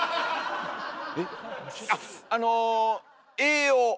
あっあの栄養！